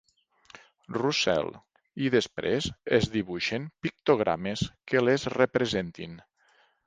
Roussel— i després es dibuixen pictogrames que les representin.